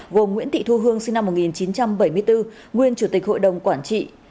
gồm nguyễn thị thu hương sinh năm một nghìn chín trăm bảy mươi bốn nguyên chủ tịch hội đồng quản trị